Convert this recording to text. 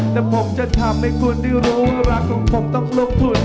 แต่ผมจะทำให้คุณได้รู้รักของผมต้องลงทุน